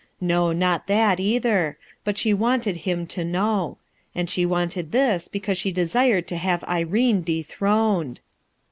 No, not that, either; but she wanted him to know; and she wanted this because she desired to have Irene dethroned